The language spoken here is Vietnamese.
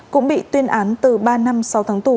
cũng bị tuyên án từ ba năm sáu tháng tù